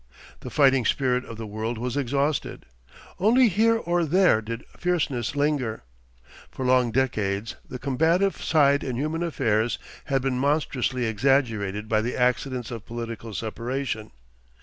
The fighting spirit of the world was exhausted. Only here or there did fierceness linger. For long decades the combative side in human affairs had been monstrously exaggerated by the accidents of political separation.